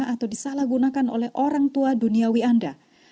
atau disalahgunakan oleh orang tua duniawi anda